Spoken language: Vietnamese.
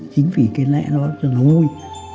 chính vì cái lẽ đó cho nó vui